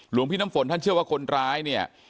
หลวงพี่น้ำฝนท่านเชื่อว่าคนร้ายเนี่ย